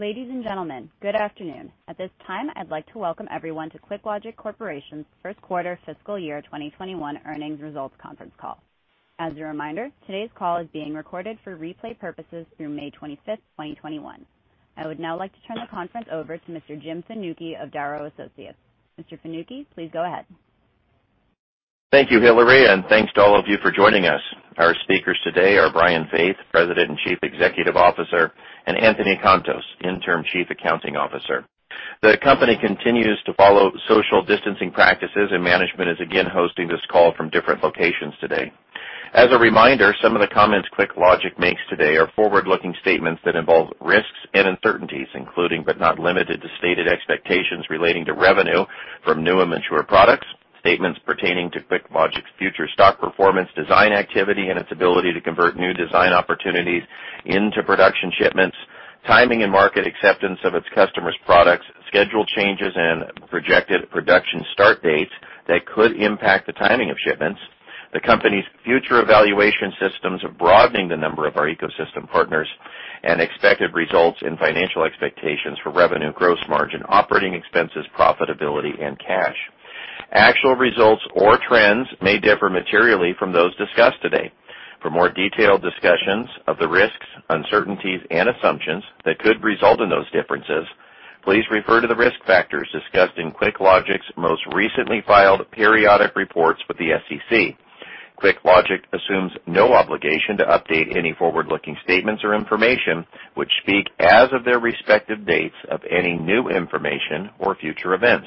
Ladies and gentlemen, good afternoon. At this time, I'd like to welcome everyone to QuickLogic Corporation's first quarter fiscal year 2021 earnings results conference call. As a reminder, today's call is being recorded for replay purposes through May 25th, 2021. I would now like to turn the conference over to Mr. Jim Fanucchi of Darrow Associates. Mr. Fanucchi, please go ahead. Thank you, Hillary, and thanks to all of you for joining us. Our speakers today are Brian Faith, President and Chief Executive Officer, and Anthony Contos, Interim Chief Accounting Officer. The company continues to follow social distancing practices, and management is again hosting this call from different locations today. As a reminder, some of the comments QuickLogic makes today are forward-looking statements that involve risks and uncertainties, including, but not limited to stated expectations relating to revenue from new and mature products, statements pertaining to QuickLogic's future stock performance design activity, and its ability to convert new design opportunities into production shipments, timing and market acceptance of its customers' products, schedule changes and projected production start dates that could impact the timing of shipments, the company's future evaluation systems, broadening the number of our ecosystem partners, and expected results in financial expectations for revenue, gross margin, operating expenses, profitability, and cash. Actual results or trends may differ materially from those discussed today. For more detailed discussions of the risks, uncertainties, and assumptions that could result in those differences, please refer to the risk factors discussed in QuickLogic's most recently filed periodic reports with the SEC. QuickLogic assumes no obligation to update any forward-looking statements or information, which speak as of their respective dates of any new information or future events.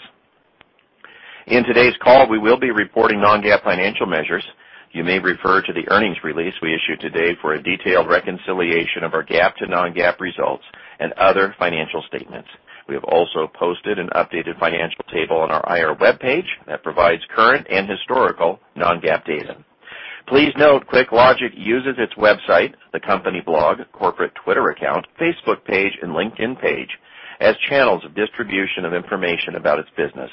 In today's call, we will be reporting non-GAAP financial measures. You may refer to the earnings release we issued today for a detailed reconciliation of our GAAP to non-GAAP results and other financial statements. We have also posted an updated financial table on our IR webpage that provides current and historical non-GAAP data. Please note, QuickLogic uses its website, the company blog, corporate Twitter account, Facebook page, and LinkedIn page as channels of distribution of information about its business.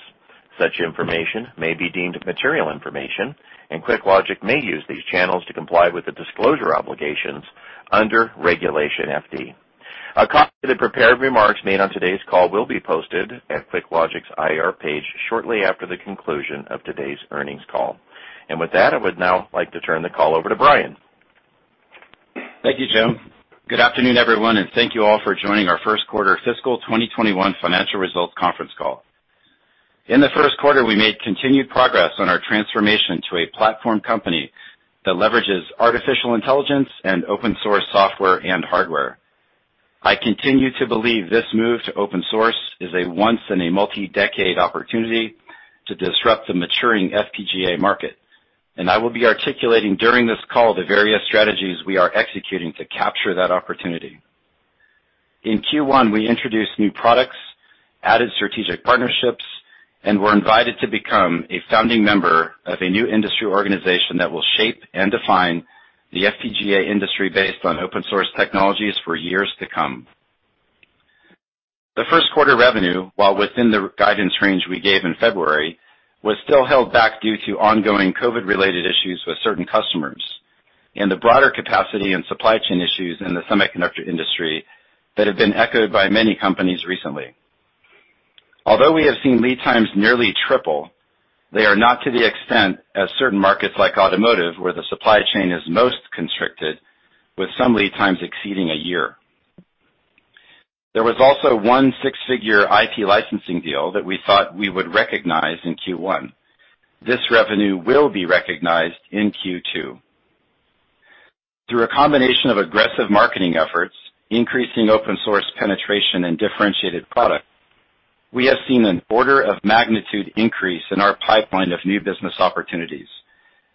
Such information may be deemed material information, and QuickLogic may use these channels to comply with the disclosure obligations under Regulation FD. A copy of the prepared remarks made on today's call will be posted at QuickLogic's IR page shortly after the conclusion of today's earnings call. With that, I would now like to turn the call over to Brian. Thank you, Jim. Good afternoon, everyone, and thank you all for joining our first quarter fiscal 2021 financial results conference call. In the first quarter, we made continued progress on our transformation to a platform company that leverages artificial intelligence and open-source software and hardware. I continue to believe this move to open source is a once-in-a-multi-decade opportunity to disrupt the maturing FPGA market, and I will be articulating during this call the various strategies we are executing to capture that opportunity. In Q1, we introduced new products, added strategic partnerships, and were invited to become a founding member of a new industry organization that will shape and define the FPGA industry based on open-source technologies for years to come. The first quarter revenue, while within the guidance range we gave in February, was still held back due to ongoing COVID-related issues with certain customers and the broader capacity and supply chain issues in the semiconductor industry that have been echoed by many companies recently. We have seen lead times nearly triple; they are not to the extent of certain markets like automotive, where the supply chain is most constricted, with some lead times exceeding a year. There was also one six-figure IP licensing deal that we thought we would recognize in Q1. This revenue will be recognized in Q2. Through a combination of aggressive marketing efforts, increasing open-source penetration, and differentiated products, we have seen an order of magnitude increase in our pipeline of new business opportunities,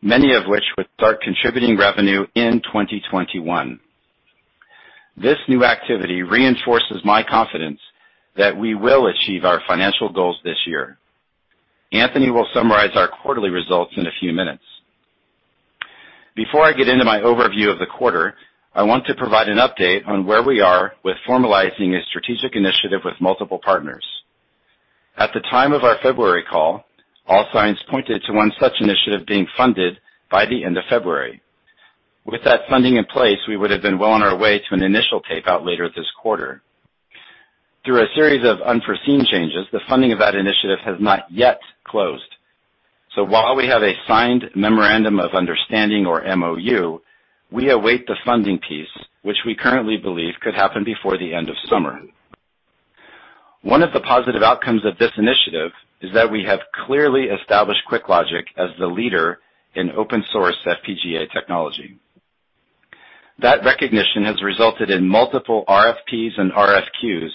many of which would start contributing revenue in 2021. This new activity reinforces my confidence that we will achieve our financial goals this year. Anthony will summarize our quarterly results in a few minutes. Before I get into my overview of the quarter, I want to provide an update on where we are with formalizing a strategic initiative with multiple partners. At the time of our February call, all signs pointed to one such initiative being funded by the end of February. With that funding in place, we would have been well on our way to an initial tape-out later this quarter. Through a series of unforeseen changes, the funding of that initiative has not yet closed. While we have a signed memorandum of understanding or MOU, we await the funding piece, which we currently believe could happen before the end of summer. One of the positive outcomes of this initiative is that we have clearly established QuickLogic as the leader in open-source FPGA technology. That recognition has resulted in multiple RFPs and RFQs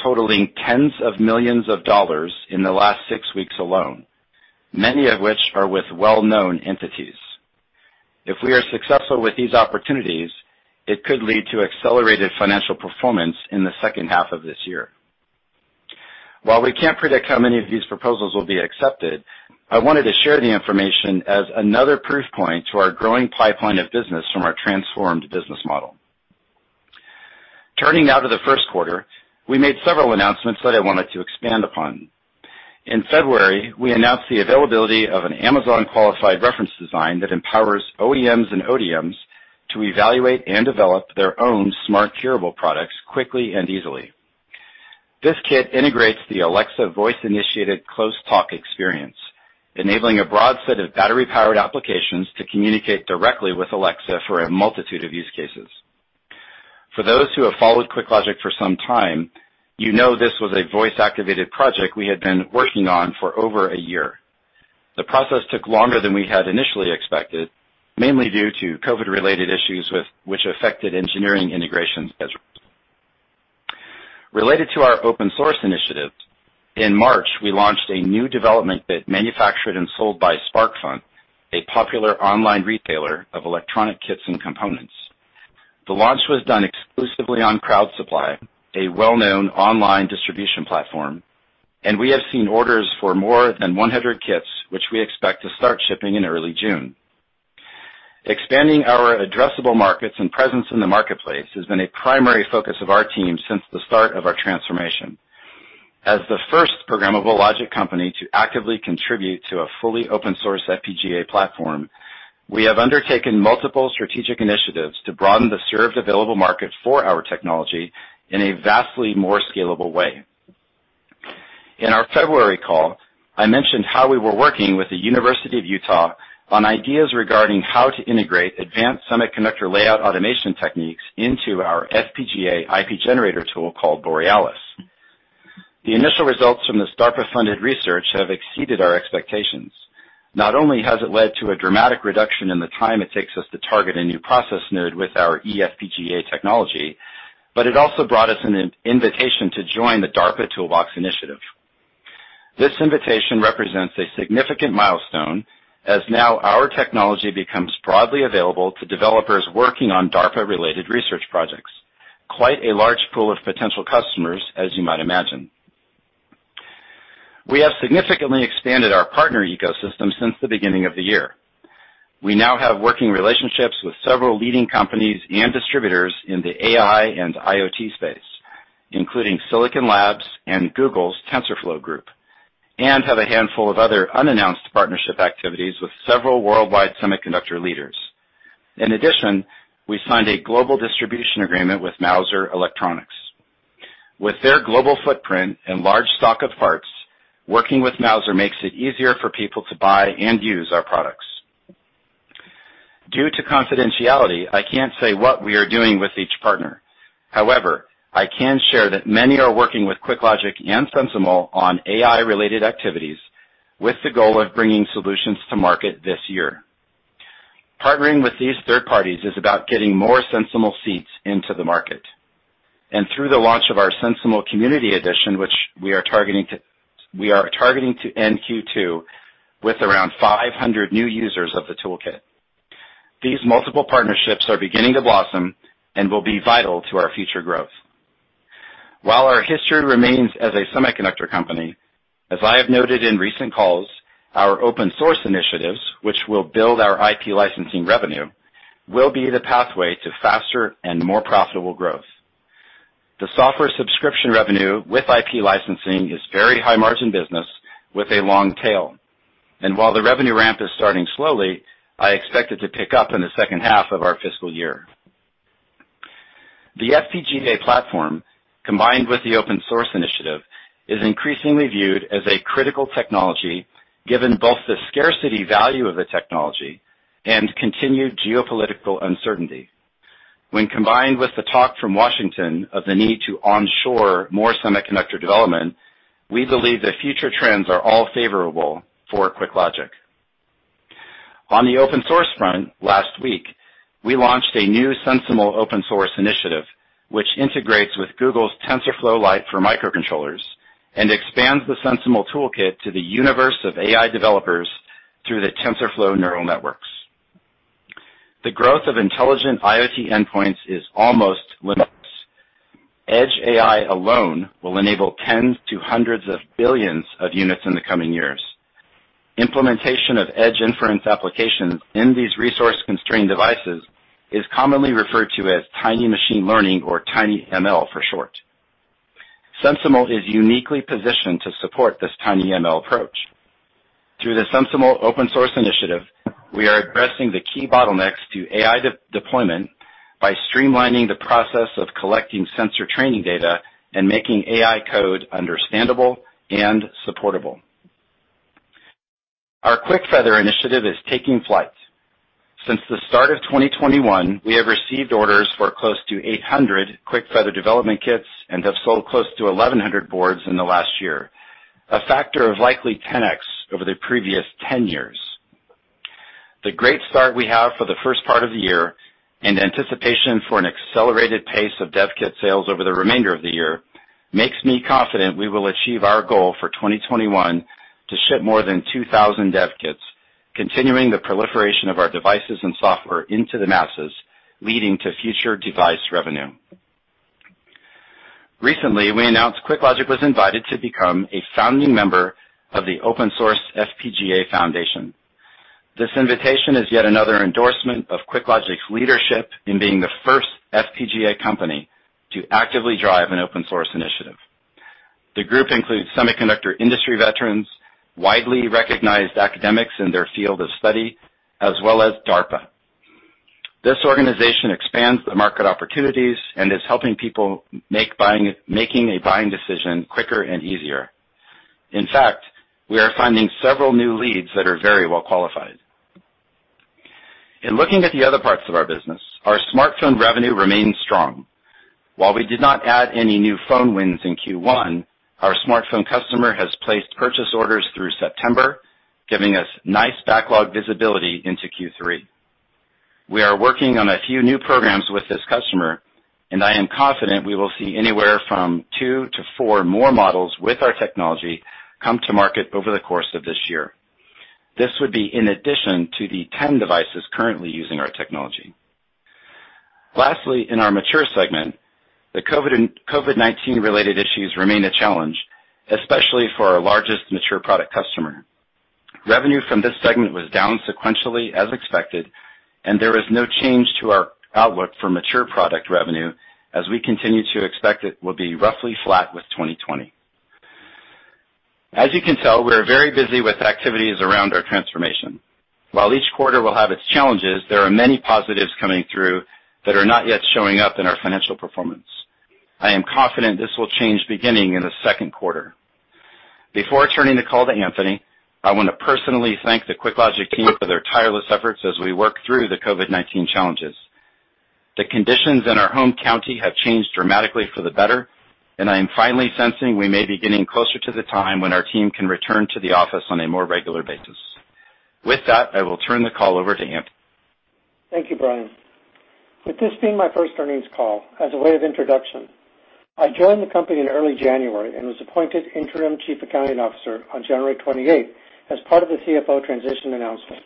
totaling tens of millions of dollars in the last six weeks alone, many of which are with well-known entities. If we are successful with these opportunities, it could lead to accelerated financial performance in the second half of this year. While we can't predict how many of these proposals will be accepted, I wanted to share the information as another proof point to our growing pipeline of business from our transformed business model. Turning now to the first quarter, we made several announcements that I wanted to expand upon. In February, we announced the availability of an Amazon-qualified reference design that empowers OEMs and ODMs to evaluate and develop their own smart-capable products quickly and easily. This kit integrates the Alexa voice-initiated close talk experience, enabling a broad set of battery-powered applications to communicate directly with Alexa for a multitude of use cases. For those who have followed QuickLogic for some time, you know this was a voice-activated project we had been working on for over a year. The process took longer than we had initially expected, mainly due to COVID-related issues that affected engineering integration schedules. Related to our open source initiative, in March, we launched a new development kit manufactured and sold by SparkFun, a popular online retailer of electronic kits and components. The launch was done exclusively on Crowd Supply, a well-known online distribution platform, and we have seen orders for more than 100 kits, which we expect to start shipping in early June. Expanding our addressable markets and presence in the marketplace has been a primary focus of our team since the start of our transformation. As the first programmable logic company to actively contribute to a fully open-source FPGA platform, we have undertaken multiple strategic initiatives to broaden the served available market for our technology in a vastly more scalable way. In our February call, I mentioned how we were working with the University of Utah on ideas regarding how to integrate advanced semiconductor layout automation techniques into our FPGA IP generator tool called Australis. The initial results from this DARPA-funded research have exceeded our expectations. Not only has it led to a dramatic reduction in the time it takes us to target a new process node with our eFPGA technology, but it also brought us an invitation to join the DARPA Toolbox Initiative. This invitation represents a significant milestone, as now our technology becomes broadly available to developers working on DARPA-related research projects. Quite a large pool of potential customers, as you might imagine. We have significantly expanded our partner ecosystem since the beginning of the year. We now have working relationships with several leading companies and distributors in the AI and IoT space, including Silicon Labs and Google's TensorFlow group, and have a handful of other unannounced partnership activities with several worldwide semiconductor leaders. In addition, we signed a global distribution agreement with Mouser Electronics. With their global footprint and large stock of parts, working with Mouser makes it easier for people to buy and use our products. Due to confidentiality, I can't say what we are doing with each partner. However, I can share that many are working with QuickLogic and SensiML on AI-related activities with the goal of bringing solutions to market this year. Partnering with these third parties is about getting more SensiML seats into the market, and through the launch of our SensiML Community Edition, which we are targeting in Q2 with around 500 new users of the toolkit. These multiple partnerships are beginning to blossom and will be vital to our future growth. While our history remains as a semiconductor company, as I have noted in recent calls, our open-source initiatives, which will build our IP licensing revenue, will be the pathway to faster and more profitable growth. The software subscription revenue with IP licensing is a very high-margin business with a long tail, and while the revenue ramp is starting slowly, I expect it to pick up in the second half of our fiscal year. The FPGA platform, combined with the open-source initiative, is increasingly viewed as a critical technology, given both the scarcity value of the technology and continued geopolitical uncertainty. When combined with the talk from Washington of the need to onshore more semiconductor development, we believe the future trends are all favorable for QuickLogic. On the open-source front, last week, we launched a new SensiML open-source initiative, which integrates with Google's TensorFlow Lite for Microcontrollers and expands the SensiML toolkit to the universe of AI developers through the TensorFlow neural networks. The growth of intelligent IoT endpoints is almost limitless. Edge AI alone will enable tens to hundreds of billions of units in the coming years. Implementation of edge inference applications in these resource-constrained devices is commonly referred to as tiny machine learning, or TinyML for short. SensiML is uniquely positioned to support this TinyML approach. Through the SensiML open-source initiative, we are addressing the key bottlenecks to AI deployment by streamlining the process of collecting sensor training data and making AI code understandable and supportable. Our QuickFeather initiative is taking flight. Since the start of 2021, we have received orders for close to 800 QuickFeather development kits and have sold close to 1,100 boards in the last year, a factor of likely 10x over the previous 10 years. The great start we have for the first part of the year and anticipation for an accelerated pace of dev kit sales over the remainder of the year make me confident we will achieve our goal for 2021 to ship more than 2,000 dev kits, continuing the proliferation of our devices and software into the masses, leading to future device revenue. Recently, we announced QuickLogic was invited to become a founding member of the Open Source FPGA Foundation. This invitation is yet another endorsement of QuickLogic's leadership in being the first FPGA company to actively drive an open-source initiative. The group includes semiconductor industry veterans and widely recognized academics in their field of study, as well as DARPA. This organization expands the market opportunities and is helping people make a buying decision quicker and easier. In fact, we are finding several new leads that are very well qualified. In looking at the other parts of our business, our smartphone revenue remains strong. While we did not add any new phone wins in Q1, our smartphone customer has placed purchase orders through September, giving us nice backlog visibility into Q3. We are working on a few new programs with this customer, and I am confident we will see anywhere from two to four more models with our technology come to market over the course of this year. This would be in addition to the 10 devices currently using our technology. Lastly, in our mature segment, the COVID-19-related issues remain a challenge, especially for our largest mature product customer. Revenue from this segment was down sequentially as expected, and there is no change to our outlook for mature product revenue as we continue to expect it will be roughly flat with 2020. As you can tell, we are very busy with activities around our transformation. While each quarter will have its challenges, there are many positives coming through that are not yet showing up in our financial performance. I am confident this will change beginning in the second quarter. Before turning the call to Anthony, I want to personally thank the QuickLogic team for their tireless efforts as we work through the COVID-19 challenges. The conditions in our home county have changed dramatically for the better, and I'm finally sensing we may be getting closer to the time when our team can return to the office on a more regular basis. With that, I will turn the call over to Anthony. Thank you, Brian. With this being my first earnings call, as a way of introduction, I joined the company in early January and was appointed Interim Chief Accounting Officer on January 28th as part of the CFO transition announcement.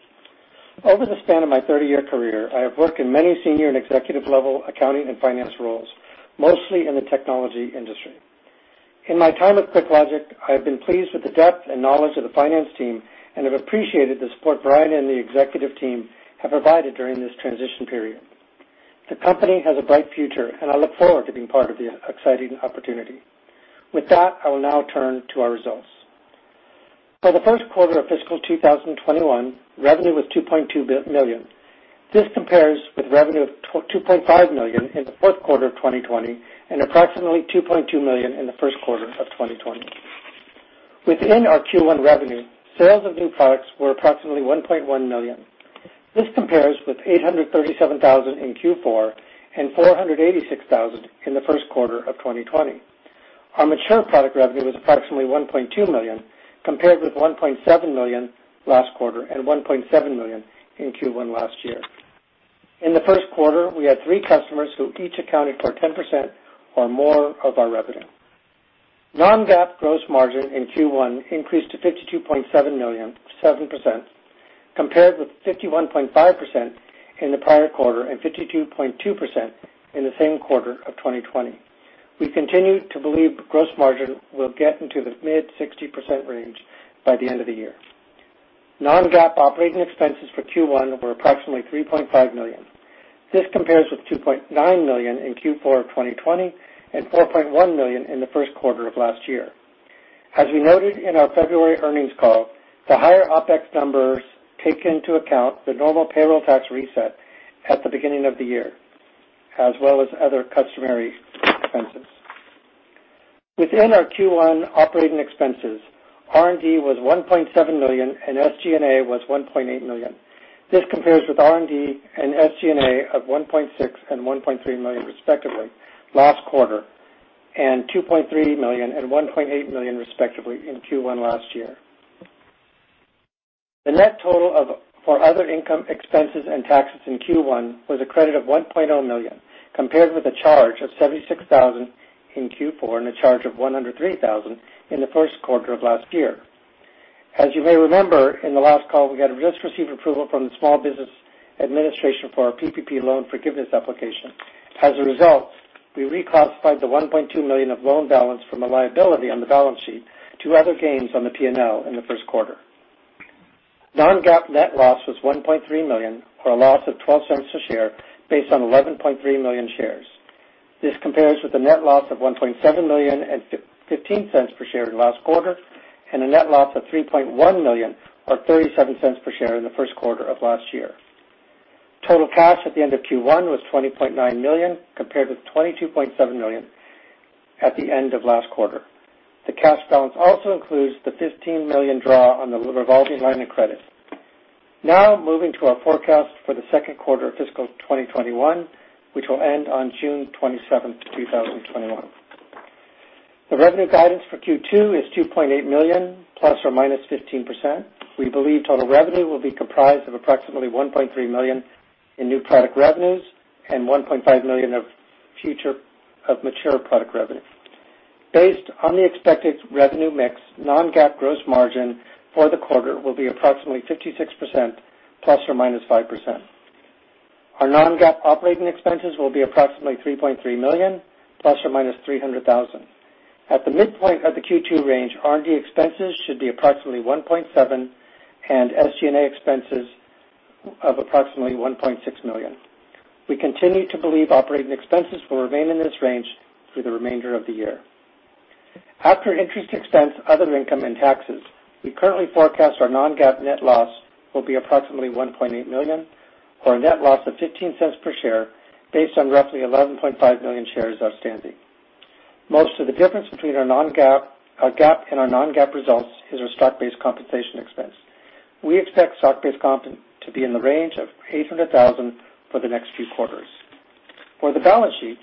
Over the span of my 30-year career, I have worked in many senior and executive-level accounting and finance roles, mostly in the technology industry. In my time with QuickLogic, I have been pleased with the depth and knowledge of the finance team and have appreciated the support Brian and the executive team have provided during this transition period. The company has a bright future, and I look forward to being part of the exciting opportunity. With that, I will now turn to our results. For the first quarter of fiscal 2021, revenue was $2.2 million. This compares with revenue of $2.5 million in the fourth quarter of 2020 and approximately $2.2 million in the first quarter of 2020. Within our Q1 revenue, sales of new products were approximately $1.1 million. This compares with $837,000 in Q4 and $486,000 in the first quarter of 2020. Our mature product revenue was approximately $1.2 million, compared with $1.7 million last quarter and $1.7 million in Q1 last year. In the first quarter, we had three customers who each accounted for 10% or more of our revenue. Non-GAAP gross margin in Q1 increased to 52.7%, compared with 51.5% in the prior quarter and 52.2% in the same quarter of 2020. We continue to believe gross margin will get into the mid-60% range by the end of the year. Non-GAAP operating expenses for Q1 were approximately $3.5 million. This compares with $2.9 million in Q4 of 2020 and $4.1 million in the first quarter of last year. As we noted in our February earnings call, the higher OPEX numbers take into account the normal payroll tax reset at the beginning of the year, as well as other customary expenses. Within our Q1 operating expenses, R&D was $1.7 million, and SG&A was $1.8 million. This compares with R&D and SG&A of $1.6 million and $1.3 million, respectively, last quarter, and $2.3 million and $1.8 million, respectively, in Q1 last year. The net total for other income expenses and taxes in Q1 was a credit of $1.0 million, compared with a charge of $76,000 in Q4 and a charge of $103,000 in the first quarter of last year. As you may remember, in the last call, we had just received approval from the Small Business Administration for our PPP loan forgiveness application. As a result, we reclassified the $1.2 million of loan balance from a liability on the balance sheet to other gains on the P&L in the first quarter. Non-GAAP net loss was $1.3 million, or a loss of $0.12 a share based on 11.3 million shares. This compares with a net loss of $1.7 million at $0.15 per share, in the last quarter and a net loss of $3.1 million, or $0.37 per share, in the first quarter of last year. Total cash at the end of Q1 was $20.9 million, compared with $22.7 million at the end of last quarter. The cash balance also includes the $15 million draw on the revolving line of credit. Moving to our forecast for the second quarter of fiscal 2021, which will end on June 27th, 2021. The revenue guidance for Q2 is $2.8 million ±15%. We believe total revenue will be comprised of approximately $1.3 million in new product revenues and $1.5 million of mature product revenues. Based on the expected revenue mix, non-GAAP gross margin for the quarter will be approximately 56% ±5%. Our non-GAAP operating expenses will be approximately $3.3 million ±$300,000. At the midpoint of the Q2 range, R&D expenses should be approximately $1.7 million and SG&A expenses of approximately $1.6 million. We continue to believe operating expenses will remain in this range through the remainder of the year. After interest expense, other income, and taxes, we currently forecast our non-GAAP net loss will be approximately $1.8 million or a net loss of $0.15 per share based on roughly 11.5 million shares outstanding. Most of the difference between our GAAP and our non-GAAP results is our stock-based compensation expense. We expect stock-based comp to be in the range of $800,000 for the next few quarters. For the balance sheet,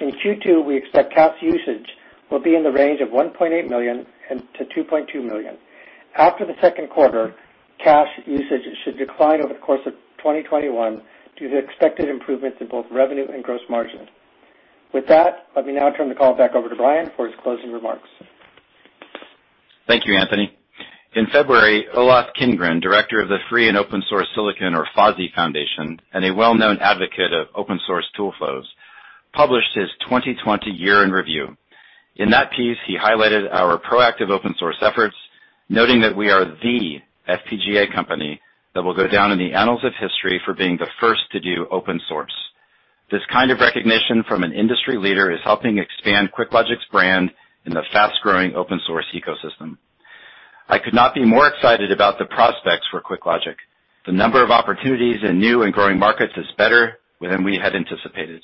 in Q2, we expect cash usage will be in the range of $1.8 million-$2.2 million. After the second quarter, cash usage should decline over the course of 2021 due to expected improvements in both revenue and gross margins. With that, let me now turn the call back over to Brian for his closing remarks. Thank you, Anthony. In February, Olof Kindgren, Director of the Free and Open Source Silicon, or FOSSi Foundation and a well-known advocate of open source tool flows, published his 2020 year-in-review. In that piece, he highlighted our proactive open-source efforts, noting that we are the FPGA company that will go down in the annals of history for being the first to do open source. This kind of recognition from an industry leader is helping expand QuickLogic's brand in the fast-growing open source ecosystem. I could not be more excited about the prospects for QuickLogic. The number of opportunities in new and growing markets is better than we had anticipated.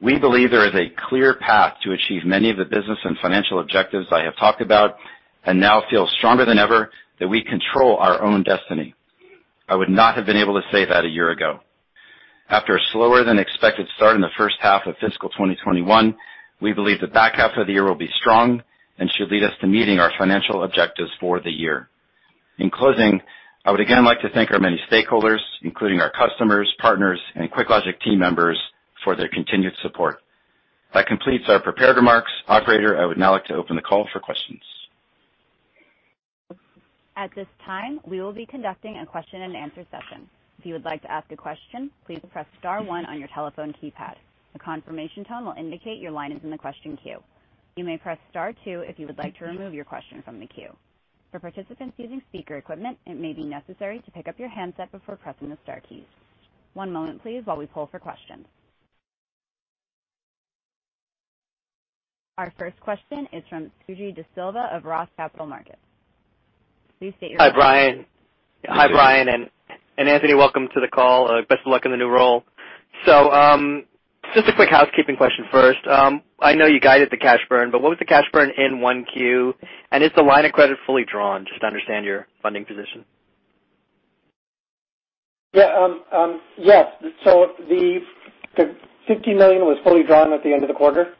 We believe there is a clear path to achieve many of the business and financial objectives I have talked about and now feel stronger than ever that we control our own destiny. I would not have been able to say that a year ago. After a slower than expected start in the first half of fiscal 2021, we believe the back half of the year will be strong and should lead us to meeting our financial objectives for the year. In closing, I would again like to thank our many stakeholders, including our customers, partners, and QuickLogic team members, for their continued support. That completes our prepared remarks. Operator, I would now like to open the call for questions. At this time, we will be conducting a question and answer session. If you would like to ask a question, please press star one on your telephone keypad. The confirmation tone will indicate your line is in the question queue. You may press star two if you would like to remove your question from the queue. For participants using speaker equipment, it may be necessary to pick up your handset before pressing the star keys. One moment, please, while we pull for questions. Our first question is from Suji Desilva of ROTH Capital Partners. Please state your- Hi, Brian and Anthony. Welcome to the call, and best of luck in the new role. Just a quick housekeeping question first. I know you guided the cash burn, but what was the cash burn in Q1, and is the line of credit fully drawn? Just to understand your funding position. Yes. The $50 million was fully drawn at the end of the quarter.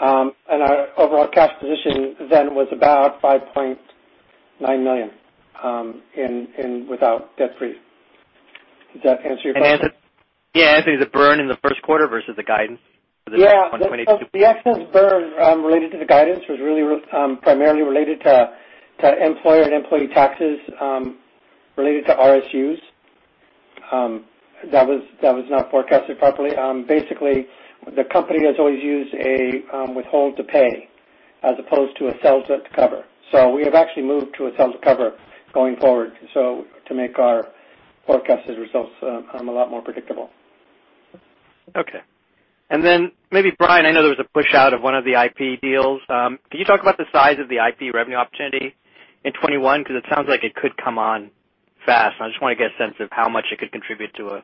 Our overall cash position then was about $5.9 million, and without debt. Does that answer your question? Yeah, I think the burn in the first quarter versus the guidance for 2022. Yeah. The excess burn related to the guidance was really primarily related to employer and employee taxes related to RSUs. That was not forecasted properly. Basically, the company has always used a withhold to pay as opposed to a sell to cover. We have actually moved to a sell-to-cover going forward to make our forecasted results a lot more predictable. Okay. Then maybe Brian, I know there was a push out of one of the IP deals. Can you talk about the size of the IP revenue opportunity in 2021? It sounds like it could come on fast. I just want to get a sense of how much it could contribute to a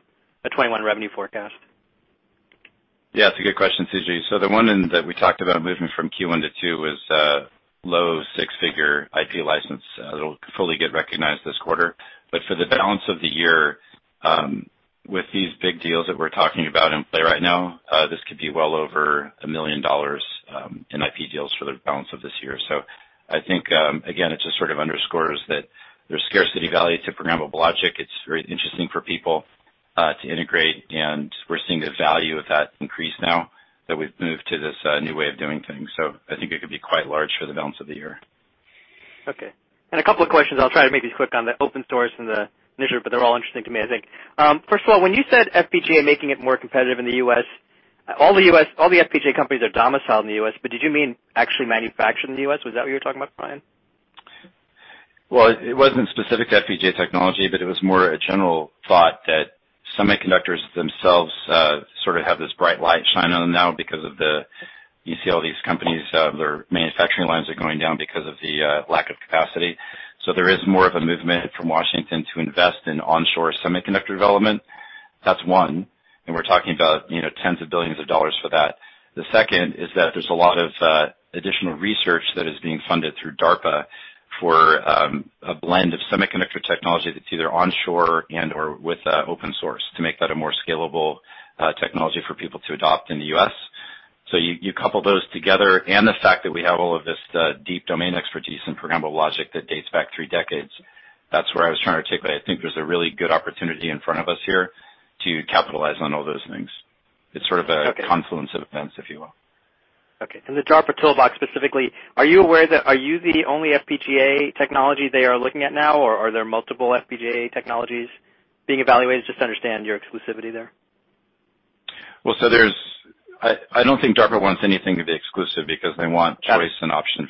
2021 revenue forecast. It's a good question, Suji. The one that we talked about moving from Q1 to Q2 was a low six-figure IP license that'll fully get recognized this quarter. For the balance of the year, with these big deals that we're talking about in play right now, this could be well over $1 million in IP deals for the balance of this year. I think, again, it just sort of underscores that there's scarcity value to programmable logic. It's very interesting for people to integrate, and we're seeing the value of that increase now that we've moved to this new way of doing things. I think it could be quite large for the balance of the year. Okay. A couple of questions. I'll try to make these quick on the open source and the measure, but they're all interesting to me, I think. First of all, when you said FPGA making it more competitive in the U.S., all the FPGA companies are domiciled in the U.S., but did you mean actually manufactured in the U.S.? Was that what you're talking about, Brian? Well, it wasn't specific to FPGA technology, but it was more a general thought that semiconductors themselves sort of have this bright light shine on them now because of the lack of capacity. There is more of a movement from Washington to invest in onshore semiconductor development. That's one. We're talking about tens of billions of dollars for that. The second is that there's a lot of additional research that is being funded through DARPA for a blend of semiconductor technology that's either onshore and/or open source to make that a more scalable technology for people to adopt in the U.S. You couple those together and the fact that we have all of this deep domain expertise in programmable logic that dates back three decades. That's where I was trying to articulate. I think there's a really good opportunity in front of us here to capitalize on all those things. It's sort of a confluence of events, if you will. Okay. In the DARPA Toolbox specifically, are you the only FPGA technology they are looking at now, or are there multiple FPGA technologies being evaluated? Just understand your exclusivity there. I don't think DARPA wants anything to be exclusive because they want choice and options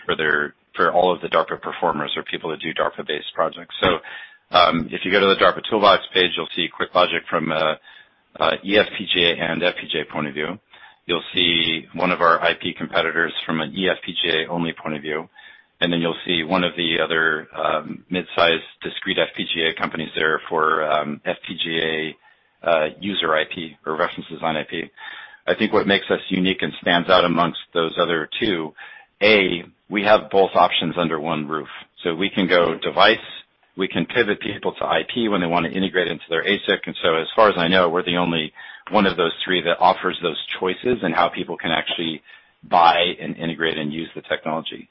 for all of the DARPA performers or people that do DARPA-based projects. If you go to the DARPA toolbox page, you'll see QuickLogic from an eFPGA and FPGA point of view. You'll see one of our IP competitors; from an eFPGA-only point of view, you'll see one of the other mid-size discrete FPGA companies there for FPGA user IP or reference design IP. I think what makes us unique and stand out amongst those other two is, A, we have both options under one roof, so we can go device. We can pivot people to IP when they want to integrate into their ASIC. As far as I know, we're the only one of those three that offers those choices and how people can actually buy and integrate and use the technology.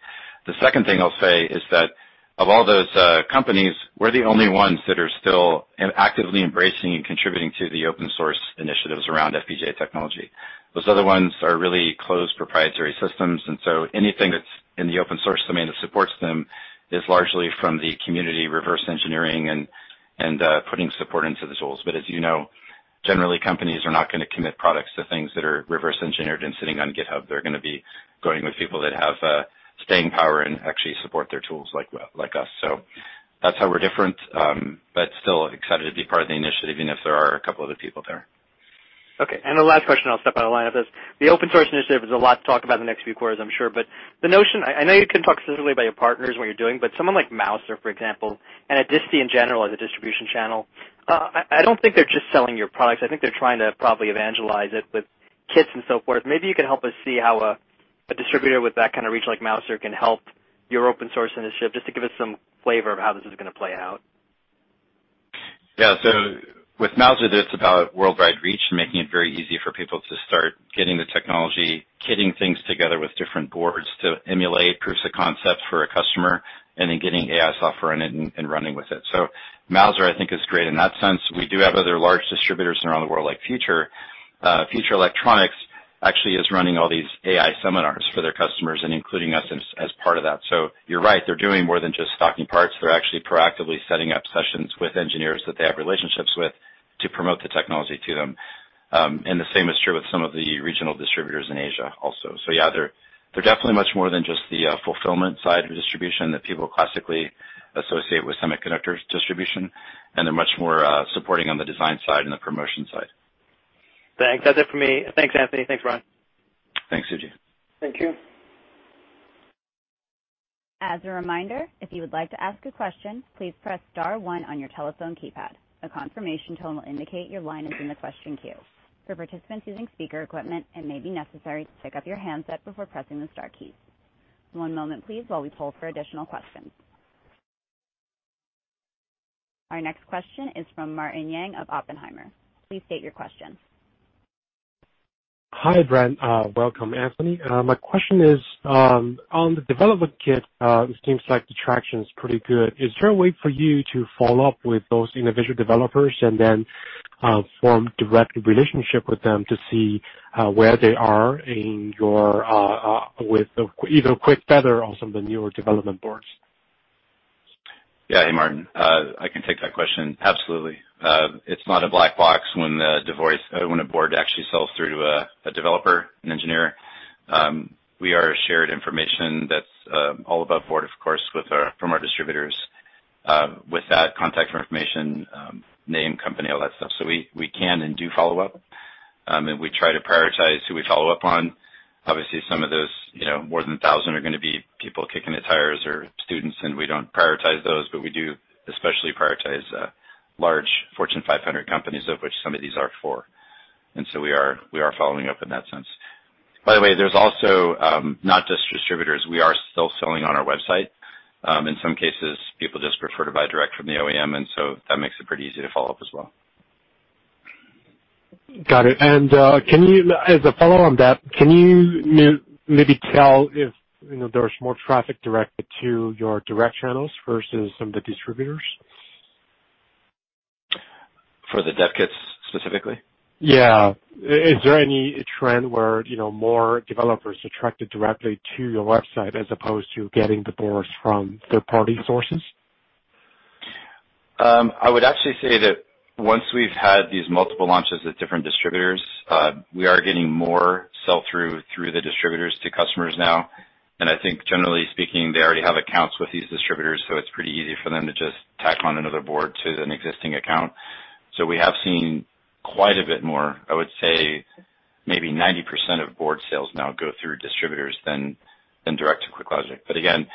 The second thing I'll say is that of all those companies, we're the only ones that are still actively embracing and contributing to the open-source initiatives around FPGA technology. Those other ones are really closed, proprietary systems. Anything that's in the open-source domain that supports them is largely from the community reverse engineering and putting support into the tools. As you know, generally, companies are not going to commit products to things that are reverse engineered and sitting on GitHub. They're going to be going with people that have staying power and actually support their tools like us. That's how we're different, but still excited to be part of the initiative, even if there are a couple other people there. The last question I'll step out of line with this. The open-source initiative is a lot to talk about in the next few quarters, I'm sure. I know you can talk specifically about your partners and what you're doing, but someone like Mouser, for example, or a disti in general as a distribution channel, I don't think they're just selling your product. I think they're trying to probably evangelize it with kits and so forth. Maybe you can help us see how a distributor with that kind of reach like Mouser can help your open-source initiative, just to give us some flavor of how this is going to play out. Yeah. With Mouser, it's about worldwide reach, making it very easy for people to start getting the technology, getting things together with different boards to emulate proofs of concept for a customer, and then getting AI software in and running with it. Mouser, I think, is great in that sense. We do have other large distributors around the world, like Future. Future Electronics actually is running all these AI seminars for their customers and including us as part of that. You're right, they're doing more than just stocking parts. They're actually proactively setting up sessions with engineers that they have relationships with to promote the technology to them, and the same is true with some of the regional distributors in Asia also. Yeah, they're definitely much more than just the fulfillment side of distribution that people classically associate with semiconductor distribution, and they're much more supporting on the design side and the promotion side. Thanks. That's it for me. Thanks, Anthony. Thanks, Brian. Thanks, Suji. Thank you. As a reminder, if you would like to ask a question, please press star one on your telephone keypad. A confirmation tone will indicate your line is in the question queue. For participants using speaker equipment, it may be necessary to pick up your handset before pressing the star key. One moment, please, while we poll for additional questions. Our next question is from Martin Yang of Oppenheimer. Please state your question. Hi, Brian. Welcome, Anthony. My question is, on the development kit, it seems like the traction is pretty good. Is there a way for you to follow up with those individual developers and then form a direct relationship with them to see where they are with either QuickFeather or some of the newer development boards? Yeah. Martin, I can take that question. Absolutely. It's not a black box when a board actually sells through to a developer, an engineer. We are shared information that's all about the board, of course, from our distributors, with that contact information, name, company, and all that stuff. We can and do follow up, and we try to prioritize who we follow up on. Obviously, some of those, more than 1,000, are going to be people kicking the tires or students, and we don't prioritize those, but we do especially prioritize large Fortune 500 companies, some of which these are for. We are following up in that sense. By the way, there's also not just distributors. We are still selling on our website. In some cases, people just prefer to buy direct from the OEM, and so that makes it pretty easy to follow up as well. Got it. As a follow-on to that, can you maybe tell if there's more traffic directed to your direct channels versus some of the distributors? For the dev kits specifically? Yeah. Is there any trend where more developers are attracted directly to your website as opposed to getting the boards from third-party sources? I would actually say that once we've had these multiple launches with different distributors, we are getting more sell-through through the distributors to customers now, and I think generally speaking, they already have accounts with these distributors, so it's pretty easy for them to just tack on another board to an existing account. We have seen quite a bit more. I would say maybe 90% of board sales now go through distributors rather than directly to QuickLogic. Again,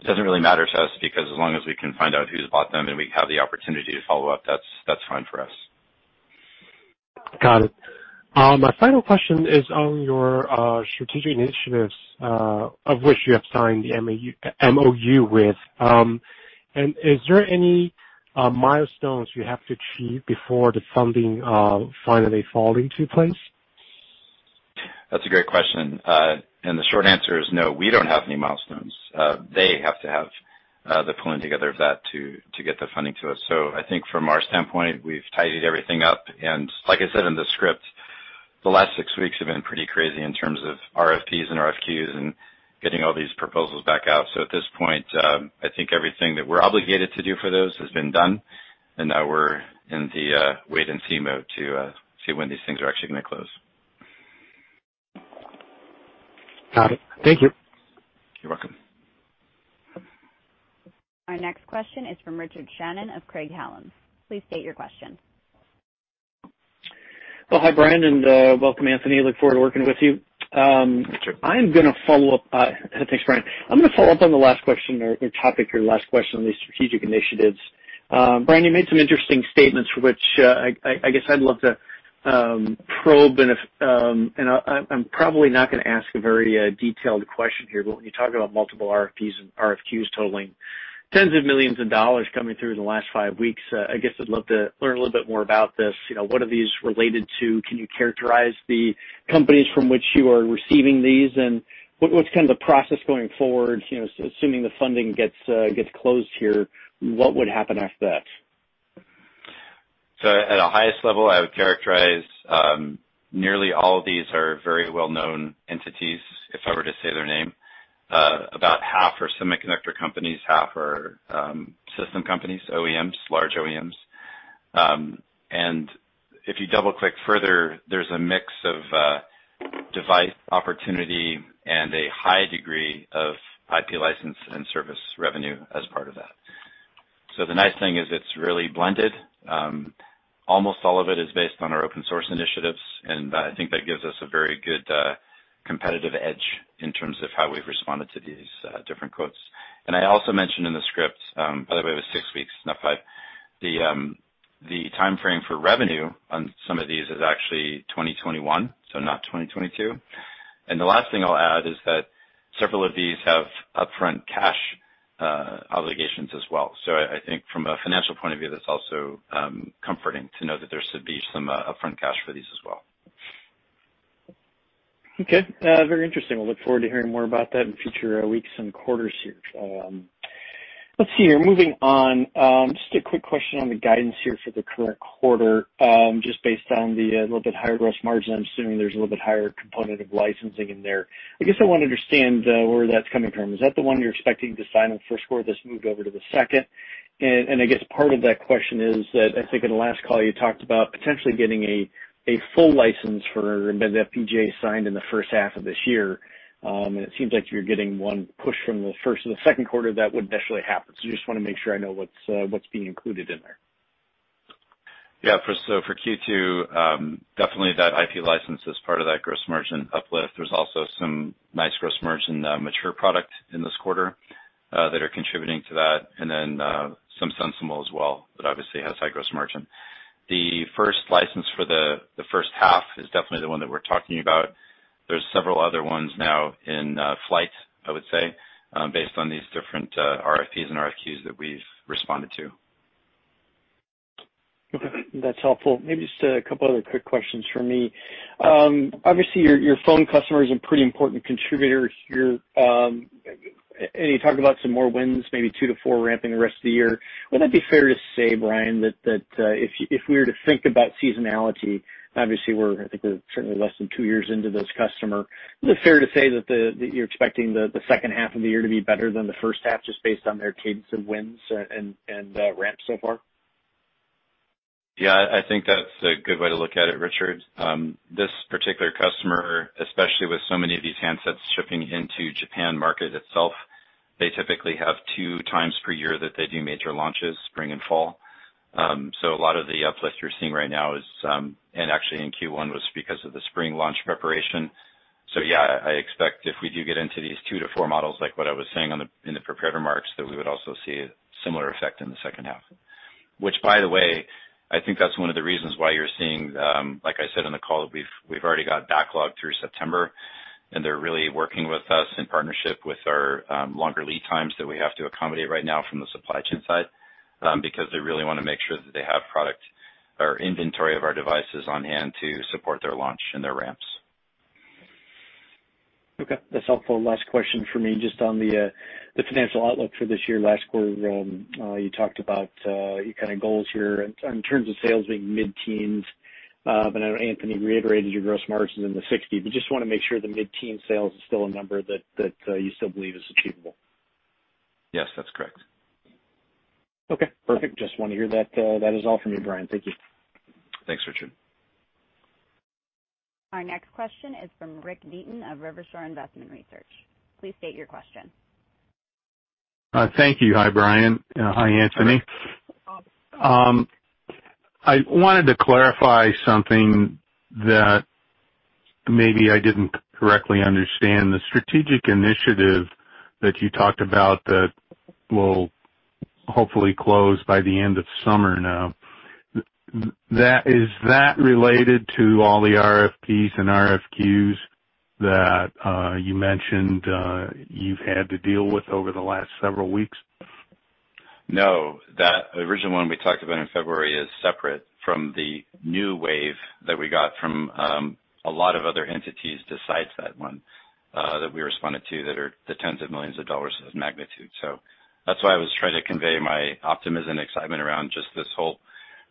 it doesn't really matter to us because as long as we can find out who's bought them, and we have the opportunity to follow up, that's fine for us. Got it. My final question is on your strategic initiatives, of which you have signed the MOU. Is there any milestones you have to achieve before the funding finally falls into place? That's a great question. The short answer is no, we don't have any milestones. They have to have the pulling together of that to get the funding for those. I think from our standpoint, we've tidied everything up, and like I said in the script, the last six weeks have been pretty crazy in terms of RFPs and RFQs and getting all these proposals back out. At this point, I think everything that we're obligated to do for those has been done, and now we're in the wait-and-see mode to see when these things are actually going to close. Got it. Thank you. You're welcome. Our next question is from Richard Shannon of Craig-Hallum. Please state your question. Hi, Brian, and welcome, Anthony. Look forward to working with you. Sure. I'm going to follow up. Thanks, Brian. I'm going to follow up on the last question or topic, your last question on the strategic initiatives. Brian, you made some interesting statements, which I guess I'd love to probe, and I'm probably not going to ask a very detailed question here, but when you talk about multiple RFPs and RFQs totaling tens of millions of dollars coming through in the last five weeks, I guess I'd love to learn a little bit more about this. What are these related to? Can you characterize the companies from which you are receiving these, and what's kind of the process going forward? Assuming the funding gets closed here, what would happen after that? At the highest level, I would characterize nearly all of these as very well-known entities if I were to say their names. About half are semiconductor companies and half are system companies, OEMs, or large OEMs. If you double-click further, there's a mix of device opportunity and a high degree of IP license and service revenue as part of that. The nice thing is it's really blended. Almost all of it is based on our open-source initiatives, and I think that gives us a very good competitive edge in terms of how we've responded to these different quotes. I also mentioned in the script, by the way, it was six weeks, not five. The timeframe for revenue on some of these is actually 2021, so not 2022. The last thing I'll add is that several of these have upfront cash obligations as well. I think from a financial point of view, it's also comforting to know that there should be some upfront cash for these as well. Okay. Very interesting. I look forward to hearing more about that in future weeks and quarters here. Let's see, moving on. Just a quick question on the guidance here for the current quarter: just based on the little bit higher gross margin, I'm assuming there's a little bit higher component of licensing in there. I guess I want to understand where that's coming from. Is that the one you're expecting to sign in the first quarter that's moved over to the second? I guess part of that question is that I think in the last call, you talked about potentially getting a full license for an FPGA signed in the first half of this year. It seems like you're getting one push from the first to the second quarter, which would potentially happen. I just want to make sure I know what's being included in there. For Q2, definitely that IP license is part of that gross margin uplift. There's also some nice gross margin mature product in this quarter that is contributing to that, and then some SensiML as well, which obviously has high gross margin. The first license for the first half is definitely the one that we're talking about. There are several other ones now in flight, I would say, based on these different RFPs and RFQs that we've responded to. Okay, that's helpful. Maybe just a couple other quick questions from me. Obviously, your phone customer is a pretty important contributor here. You talked about some more wins, maybe two to four, ramping up the rest of the year. Would it be fair to say, Brian, that if we were to think about seasonality, obviously we're, I think, certainly less than two years into this customer, is it fair to say that you're expecting the second half of the year to be better than the first half just based on their cadence of wins and ramps so far? Yeah, I think that's a good way to look at it, Richard. This particular customer, especially with so many of these handsets shipping into Japan market itself, typically has two times per year that they do major launches: spring and fall. A lot of the uplift you're seeing right now is, and actually in Q1 was, because of the spring launch preparation. Yeah, I expect if we do get into these two to four models, like what I was saying in the prepared remarks, that we would also see a similar effect in the second half. Which, by the way, I think is one of the reasons why you're seeing, like I said in the call, we've already got backlog through September, and they're really working with us in partnership with our longer lead times that we have to accommodate right now from the supply chain side, because they really want to make sure that they have product or inventory of our devices on hand to support their launch and their ramps. Okay, that's helpful. Last question from me, just on the financial outlook for this year. Last quarter, you talked about your kind of goals here in terms of sales being mid-teens, but I know Anthony reiterated your gross margins in the 60%. Just want to make sure the mid-teen sales are still a number that you still believe is achievable. Yes, that's correct. Okay, perfect. Just want to hear that. That is all from me, Brian. Thank you. Thanks, Richard. Our next question is from Rick Neaton of Rivershore Investment Research. Please state your question. Thank you. Hi, Brian. Hi, Anthony. I wanted to clarify something that maybe I didn't correctly understand: the strategic initiative that you talked about that will hopefully close by the end of summer now. Is that related to all the RFPs and RFQs that you mentioned you've had to deal with over the last several weeks? That original one we talked about in February is separate from the new wave that we got from a lot of other entities besides that one that we responded to that is tens of millions of dollars in magnitude. That's why I was trying to convey my optimism and excitement around just this whole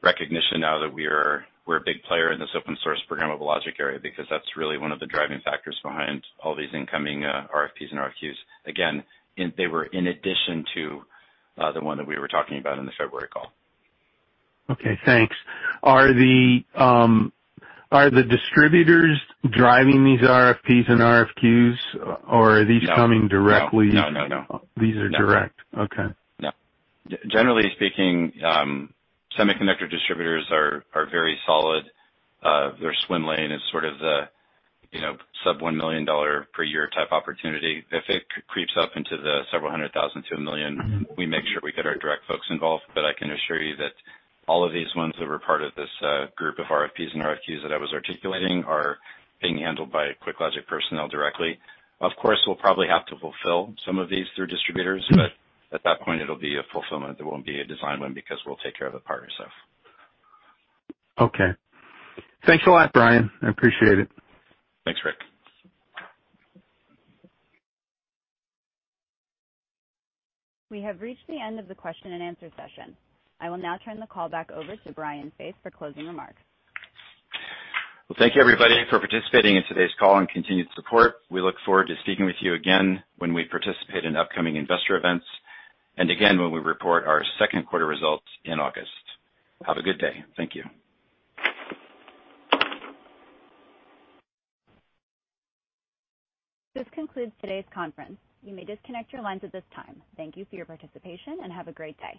recognition now that we're a big player in this open source programmable logic area, because that's really one of the driving factors behind all these incoming RFPs and RFQs. Again, they were in addition to the one that we were talking about in the February call. Okay, thanks. Are the distributors driving these RFPs and RFQs, or are these coming directly? No. These are direct. Okay. No. Generally speaking, semiconductor distributors are very solid. Their swim lane is sort of the sub-$1 million per year type of opportunity. If it creeps up into the several hundred thousand million, we make sure we get our direct folks involved. I can assure you that all of these ones that were part of this group of RFPs and RFQs that I was articulating are being handled by QuickLogic personnel directly. Of course, we'll probably have to fulfill some of these through distributors, but at that point it'll be a fulfillment that won't be a design win because we'll take care of the part ourselves. Okay. Thanks a lot, Brian. I appreciate it. Thanks, Rick. We have reached the end of the question and answer session. I will now turn the call back over to Brian Faith for closing remarks. Well, thank you, everybody, for participating in today's call and continued support. We look forward to speaking with you again when we participate in upcoming investor events and again when we report our second quarter results in August. Have a good day. Thank you. This concludes today's conference. You may disconnect your lines at this time. Thank you for your participation and have a great day.